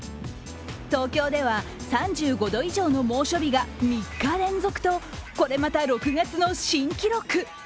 東京では３５度以上の猛暑日が３日連続とこれまた６月の新記録。